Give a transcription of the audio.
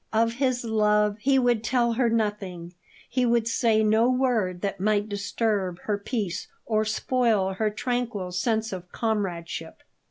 Of his love he would tell her nothing; he would say no word that might disturb her peace or spoil her tranquil sense of comradeship.